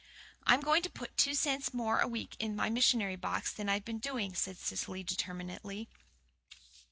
"I'm going to put two cents more a week in my missionary box than I've been doing," said Cecily determinedly.